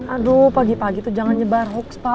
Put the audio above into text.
aduh pagi pagi itu jangan nyebar hoax pak